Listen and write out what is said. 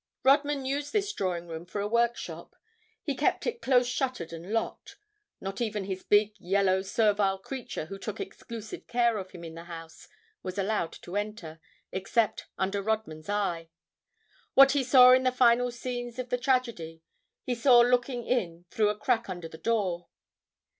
Rodman used this drawing room for a workshop. He kept it close shuttered and locked. Not even this big, yellow, servile creature who took exclusive care of him in the house was allowed to enter, except under Rodman's eye. What he saw in the final scenes of the tragedy, he saw looking in through a crack under the door.